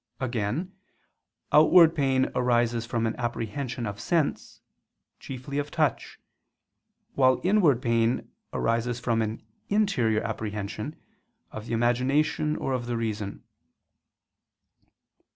Again, outward pain arises from an apprehension of sense, chiefly of touch; while inward pain arises from an interior apprehension, of the imagination or of the reason.